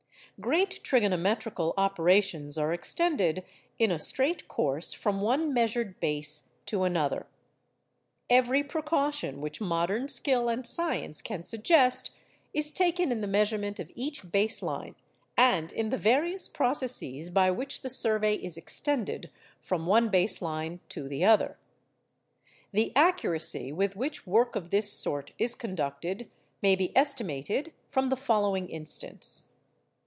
Great trigonometrical operations are extended in a straight course from one measured base to another. Every precaution which modern skill and science can suggest is taken in the measurement of each base line, and in the various processes by which the survey is extended from one base line to the other. The accuracy with which work of this sort is conducted may be estimated from the following instance.